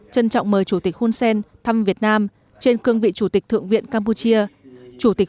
trân trọng mời chủ tịch hun sen thăm việt nam trên cương vị chủ tịch thượng viện campuchia chủ tịch